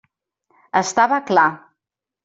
Estava clar!